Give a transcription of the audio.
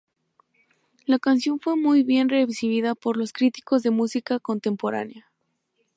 La canción fue muy bien recibida por los críticos de música contemporánea.